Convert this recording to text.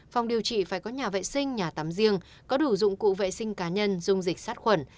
phòng điều trị phải có nhà vệ sinh nhà tắm riêng có đủ dụng cụ vệ sinh cá nhân dùng dịch sát khuẩn